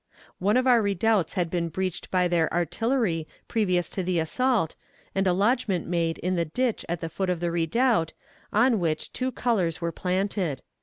One of our redoubts had been breached by their artillery previous to the assault, and a lodgment made in the ditch at the foot of the redoubt, on which two colors were planted.